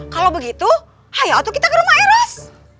kalau begitu ayo kita ke rumah eros